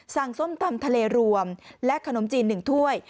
ส้มตำทะเลรวมและขนมจีน๑ถ้วย